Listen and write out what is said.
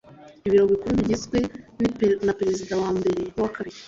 ibiro bikuru bigizwe naperezida wa mbere nuwa kabiri